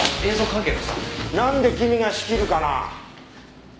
なんで君が仕切るかなぁ。